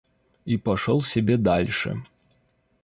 И пошёл себе дальше.